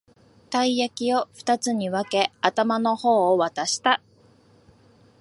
たい焼きをふたつに分け、頭の方を渡した